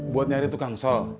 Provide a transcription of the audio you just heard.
buat nyari tukang shol